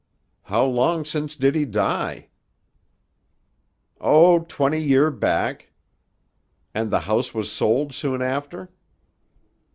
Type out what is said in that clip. "How long since did he die?" "Oh, twenty year back." "And the house was sold soon after?"